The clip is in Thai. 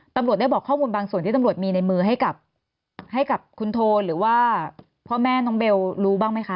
ตำรวจได้บอกข้อมูลบางส่วนที่ตำรวจมีในมือให้กับคุณโทนหรือว่าพ่อแม่น้องเบลรู้บ้างไหมคะ